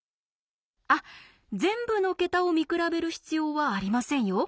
あっ全部の桁を見比べる必要はありませんよ。